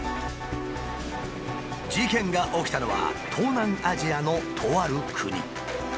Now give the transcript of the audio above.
事件が起きたのは東南アジアのとある国。